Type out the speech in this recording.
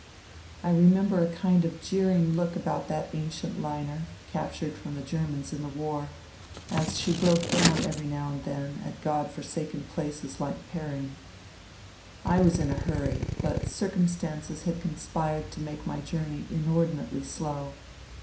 I remember a kind of jeering look about^that ancient liner (captured from the Germans in the war) as she broke down every now and then at God forsaken places like Perim. I was in a hurry, but circumstances had conspired to make my journey inordinately slow.